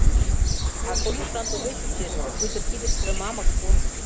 А Колюшлан туге чучеш, пуйто кидыштыже мамык пун.